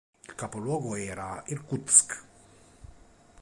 Il capoluogo era Irkutsk.